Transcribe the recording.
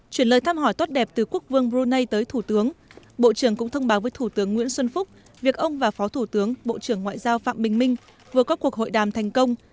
chuyển lời thăm hỏi tốt đẹp từ quốc vương brunei tới thủ tướng bộ trưởng cũng thông báo với thủ tướng nguyễn xuân phúc việc ông và phó thủ tướng bộ trưởng ngoại giao phạm bình minh vừa có cuộc hội đàm thành công